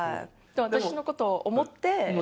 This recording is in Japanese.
私のことを思って。